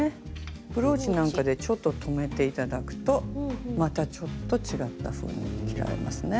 ブローチなんかでちょっと留めて頂くとまたちょっと違ったふうに着られますね。